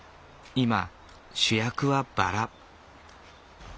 今主役はバラ。